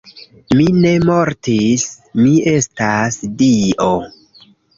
Mi ne mortis, mi estas dio.